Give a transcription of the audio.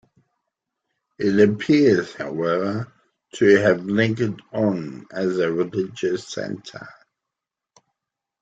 It appears, however, to have lingered on as a religious centre.